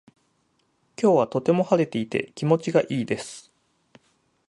今日はとても晴れていて気持ちがいいです。